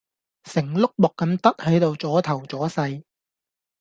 成碌木咁得喺度阻頭阻勢!